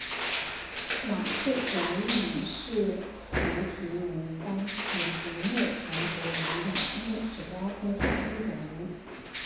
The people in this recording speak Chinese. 马氏蛰丽鱼是辐鳍鱼纲鲈形目隆头鱼亚目慈鲷科下的一种鱼。